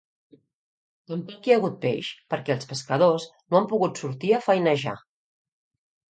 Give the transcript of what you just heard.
Tampoc hi ha hagut peix perquè els pescadors no han pogut sortir a feinejar